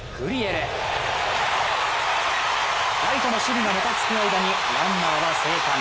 ライトの守備がもたつく間にランナーが生還。